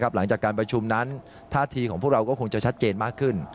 หลังจากการประชุมนั้นท่าทีของพวกเราก็คงจะชัดเจนมากขึ้น